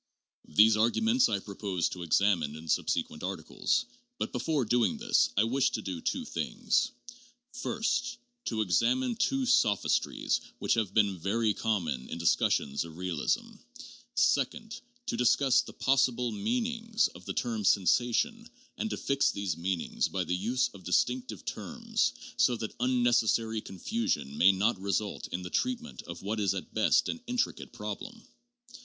These arguments I propose to examine in subsequent articles, but before doing this, I wish to do two things: first, to examine two sophistries that have been very common in discussions of real ism; second, to study the possible meanings of the term 'sensation' and to fix these meanings by the use of distinctive terms, so that unnecessary confusion may not result in the treatment of what is at best an intricate problem.